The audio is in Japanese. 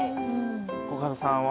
コカドさんは？